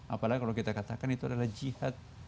apalagi kalau kita katakan itu adalah jihad